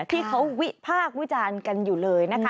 ที่เขาวิพากษ์วิจารณ์กันอยู่เลยนะคะ